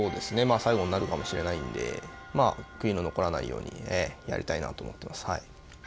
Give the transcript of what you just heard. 最後になるかもしれないんで悔いの残らないようにやりたいなと思ってますはい。